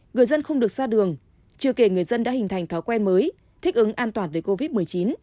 người dân không được xa đường trừ kể người dân đã hình thành thói quen mới thích ứng an toàn với covid một mươi chín